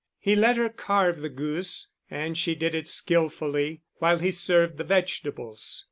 He let her carve the goose, and she did it skillfully, while he served the vegetables.